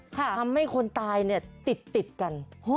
ทำให้คนตายเนี่ยติดกัน